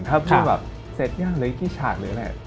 ถ้าพูดแบบเสร็จแล้วหลายกี่ฉากเลยแหละ